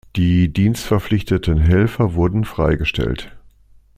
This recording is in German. Die dienstverpflichteten Helfer wurden freigestellt.